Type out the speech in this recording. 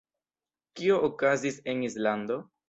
Kio okazis en Islando?